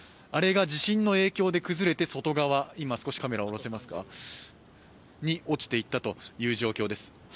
あれが地震の影響で崩れて、外側に落ちていったという状況です。